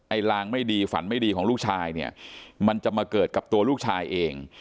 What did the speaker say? ลางไม่ดีฝันไม่ดีของลูกชายเนี่ยมันจะมาเกิดกับตัวลูกชายเอง